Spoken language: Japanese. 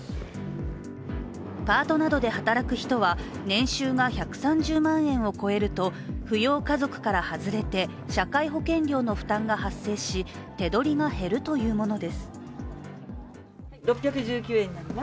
パートなどで働く人は、年収が１３０万円を超えると扶養家族から外れて、社会保険料の負担が発生し、手取りが減るというものです。